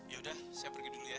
ya udah saya pergi dulu ya